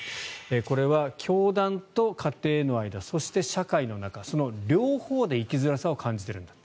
これは教団と家庭の間そして社会の中、その両方で生きづらさを感じているんだ。